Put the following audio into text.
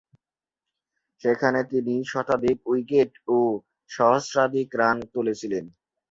সেখানে তিনি শতাধিক উইকেট ও সহস্রাধিক রান তুলেছিলেন।